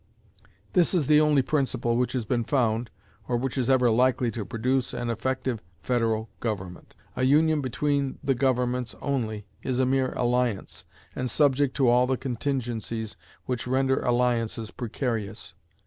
This is the only principle which has been found, or which is ever likely to produce an effective federal government. A union between the governments only is a mere alliance, and subject to all the contingencies which render alliances precarious.